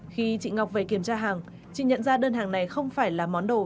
khi chị ngọc về kiểm tra hàng chị nhận ra đơn hàng này không phải là món đồ